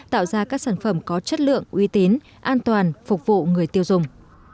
tạo ra các sản phẩm có chất lượng uy tín an toàn phục vụ người tiêu dùng